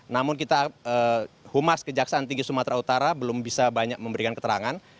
namun kita humas kejaksaan tinggi sumatera utara belum bisa banyak memberikan keterangan